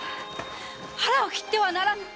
「腹を切ってはならぬ」